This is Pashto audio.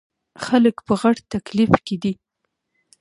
خلک په غټ تکليف کښې دے ـ